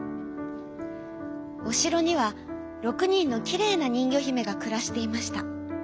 おしろには６にんのきれいなにんぎょひめがくらしていました。